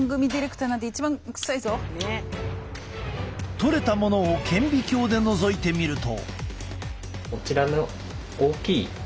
採れたものを顕微鏡でのぞいてみると。